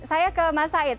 saya ke mas said